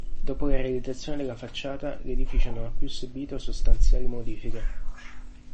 Dopo la realizzazione della facciata l'edificio non ha più subito sostanziali modifiche.